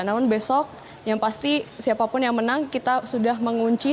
namun besok yang pasti siapapun yang menang kita sudah mengunci